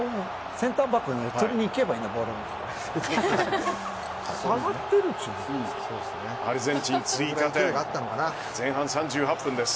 センターバックが取りに行けばいいんです。